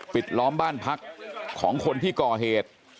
ล้อมบ้านพักของคนที่ก่อเหตุ